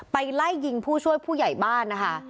ไล่ยิงผู้ช่วยผู้ใหญ่บ้านนะคะ